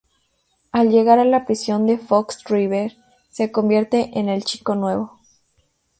Al llegar a la prisión de Fox River se convierte en el chico nuevo.